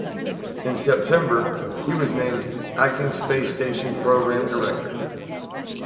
In September, he was named Acting Space Station Program Director.